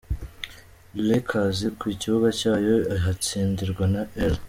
Lakers ku kibuga cyayo ihatsindirwa na L.